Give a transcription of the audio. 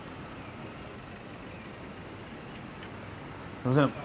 すいません